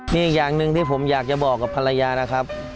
มีอีกอย่างหนึ่งที่ผมอยากจะบอกกับภรรยานะครับ